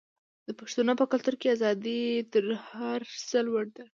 د پښتنو په کلتور کې ازادي تر هر څه لوړه ده.